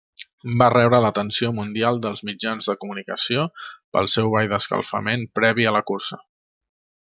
Va rebre l'atenció mundial dels mitjans de comunicació pel seu ball d'escalfament previ la cursa.